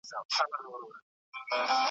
نن راغلی مي جانان صنم صنم دئ